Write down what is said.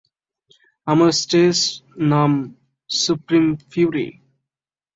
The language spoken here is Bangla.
আমার স্টেজ নাম সুপ্রিম ফিউরি।